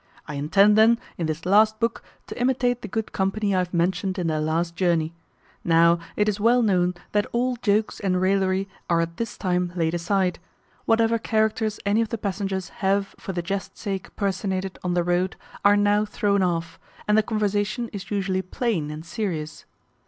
I intend, then, in this last book, to imitate the good company I have mentioned in their last journey. Now, it is well known that all jokes and raillery are at this time laid aside; whatever characters any of the passengers have for the jest sake personated on the road are now thrown off, and the conversation is usually plain and serious.